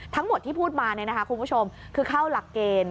ทั้งหมดที่พูดมาคุณผู้ชมคือเข้าหลักเกณฑ์